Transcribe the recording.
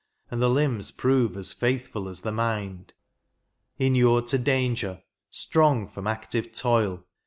And the limbs prove as faithful as the mind. Inured to danger, strong from active toil.